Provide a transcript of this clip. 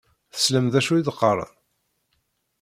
Teslam d acu i d-qqaṛen?